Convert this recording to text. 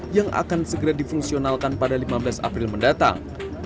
yang akan segera difungsionalkan pada lima belas april mendatang